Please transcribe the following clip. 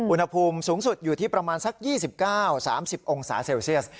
อุณหภูมิสูงสุดอยู่ที่ประมาณสัก๒๙๓๐องศาเซลเซียส